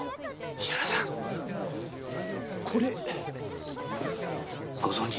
石原さんこれご存じですか？